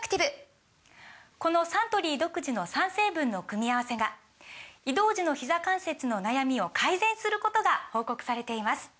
このサントリー独自の３成分の組み合わせが移動時のひざ関節の悩みを改善することが報告されています